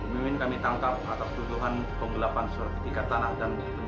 bu mimin kami tangkap atap tuduhan penggelapan surat ketika tanah dan penculian sepeda motor